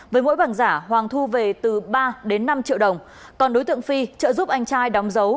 với mỗi bảng giả hoàng thu về từ ba đến năm triệu đồng còn đối tượng phi trợ giúp anh trai đóng dấu